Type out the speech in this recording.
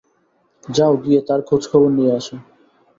যাও গিয়ে তার খোজখবর নিয়ে আসো।